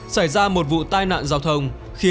xảy ra một vụ tài nạn giao thông